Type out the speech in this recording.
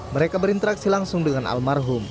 mereka berinteraksi langsung dengan almarhum